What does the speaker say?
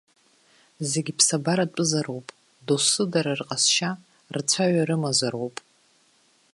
Зегь ԥсабаратәызароуп, дасу дара рҟазшьа, рцәаҩа рымазароуп.